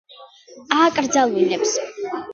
ააკრძალვინებს